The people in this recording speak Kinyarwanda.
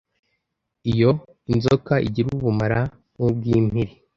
iyo inzoka igira ubumara nk’ubw’impiri